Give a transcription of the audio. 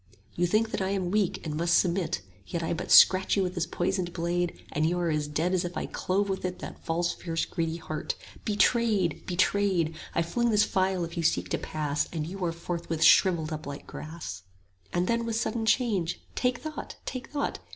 30 You think that I am weak and must submit Yet I but scratch you with this poisoned blade, And you are dead as if I clove with it That false fierce greedy heart. Betrayed! betrayed! I fling this phial if you seek to pass, 35 And you are forthwith shrivelled up like grass. And then with sudden change, Take thought! take thought!